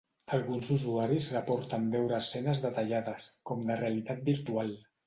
Alguns usuaris reporten veure escenes detallades, com de realitat virtual.